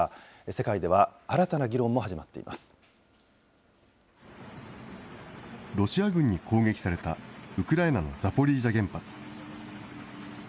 世界ロシア軍に攻撃されたウクライナのザポリージャ原発。